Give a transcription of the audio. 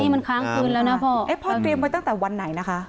มันค้างคืนแล้วนะพ่อพ่อเตรียมไว้ตั้งแต่วันไหนนะคะ